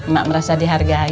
mak merasa dihargai